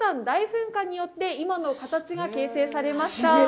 大噴火によって今の形が形成されました。